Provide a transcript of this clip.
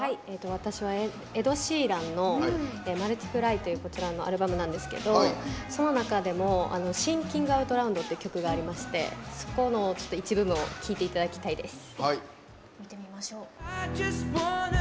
私はエド・シーランの「マルティプライ」というアルバムなんですけどその中でも「ＴｈｉｎｋｉｎｇＯｕｔＬｏｕｄ」という曲がありましてそこの一部分を聴いていただきたいです。